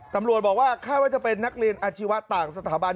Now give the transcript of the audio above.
ตำรวจบอกว่าคาดว่าจะเป็นนักเรียนอาชีวะต่างสถาบัน